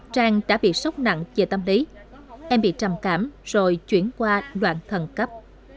trang đã bị sốc nặng về tâm lý em bị trầm cảm rồi chuyển qua đoạn thần cấp